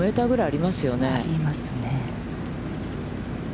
ありますね。